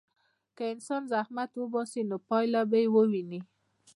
که انسان زحمت وباسي، نو پایله به وویني.